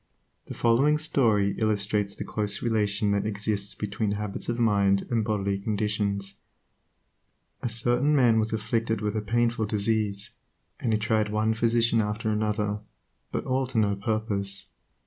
The following story illustrates the close relation that exists between habits of mind and bodily conditions. A certain man was afflicted with a painful disease, and he tried one physician after another, but all to no purpose.